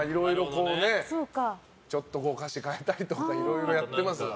ちょっと歌詞を変えたりとかいろいろやってますから。